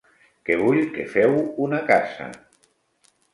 Que vull que feu una casa.